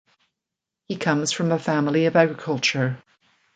He comes from a family of agriculture.